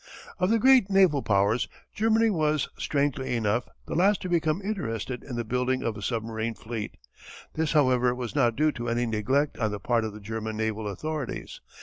Of the great naval powers, Germany was, strangely enough, the last to become interested in the building of a submarine fleet. This, however, was not due to any neglect on the part of the German naval authorities.